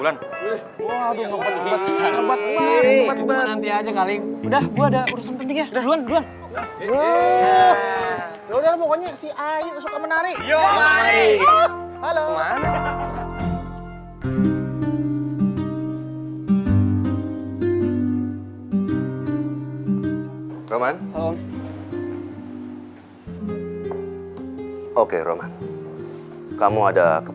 lo janjian sama bokapnya ulan